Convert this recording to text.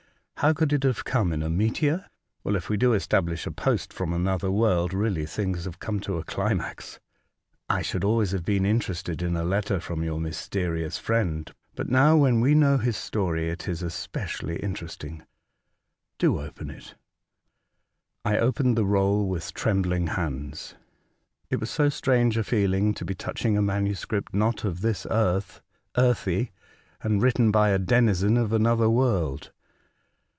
How could it have come in a meteor ? Well, if we do establish a post from another world, really things have come to a climax." *' I should always have been interested in a letter from your mysterious friend ; but 62 A Voyage to Other Worlds. now, when we know his story, it is especially interesting. Do open it." I opened the roll with trembling hands. It was so strange a feeling to be touch ing a manuscript, not of this earth, earthy, and written by a denizen of another world.